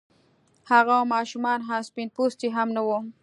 هغه ماشومه آن سپين پوستې هم نه وه.